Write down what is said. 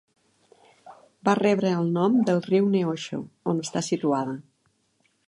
Va rebre el nom del riu Neosho, on està situada.